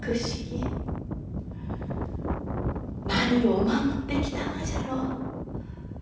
何を守ってきたがじゃろう？